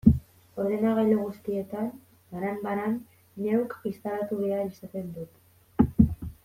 Ordenagailu guztietan, banan-banan, neuk instalatu behar izaten dut.